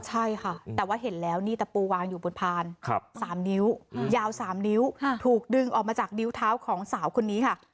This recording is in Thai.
ใช่ค่ะแต่ว่าเห็นแล้วนี่ตะปูวางอยู่บนพาน๓นิ้วยาว๓นิ้วถูกดึงออกมาจากนิ้วเท้าของสาวคนนี้ค่ะ